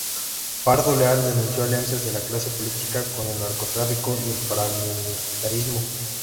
Pardo Leal denunció alianzas de la clase política con el narcotráfico y el paramilitarismo.